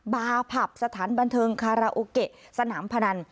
บาร์ผับสถานบันเทิงคาราโอเกะสนามพนัน